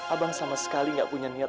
abang sama sekali gak punya niat